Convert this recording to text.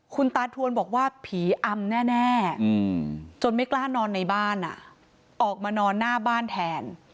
คุณตาทวนบอกว่าผีอำแน่จนไม่กล้านอนในบ้านออกมานอนหน้าบ้านแทน